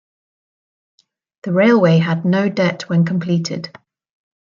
The railway had no debt when completed.